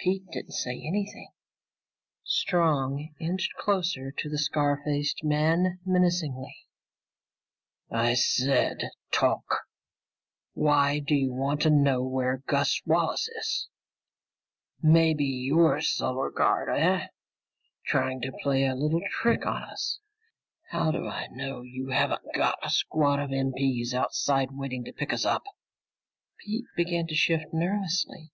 Pete didn't say anything. Strong inched closer to the scar faced man menacingly. "I said talk! Why do you want to know where Gus Wallace is? Maybe you're Solar Guard, eh? Trying to play a little trick on us. How do I know you haven't got a squad of MP's outside waiting to pick us up?" Pete began to shift nervously.